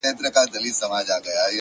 o دغه د اور ځنځير ناځوانه ځنځير،